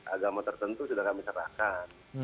agama tertentu sudah kami serahkan